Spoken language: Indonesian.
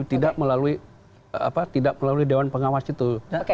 tidak melalui dewan pengawas itu